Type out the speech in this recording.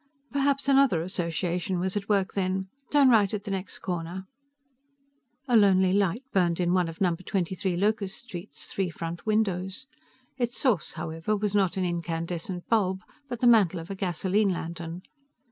"Perhaps another association was at work then. Turn right at the next corner." A lonely light burned in one of number 23 Locust Street's three front windows. Its source, however, was not an incandescent bulb, but the mantle of a gasoline lantern.